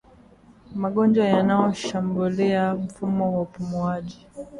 Magonjwa yanayoshambulia mfumo wa upumuaji